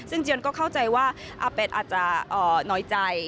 ซึ่งเจียนก็เข้าใจว่าอาเป็ดอาจจะน้อยใจ